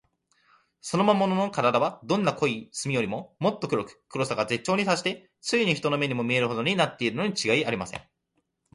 その魔物のからだは、どんな濃い墨よりも、もっと黒く、黒さが絶頂にたっして、ついに人の目にも見えぬほどになっているのにちがいありません。